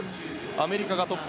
アメリカがトップ。